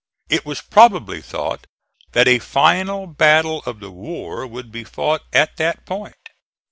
It was probably thought that a final battle of the war would be fought at that point.